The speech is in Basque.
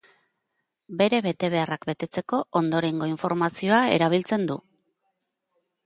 Bere betebeharrak betetzeko ondorengo informazioa erabiltzen du.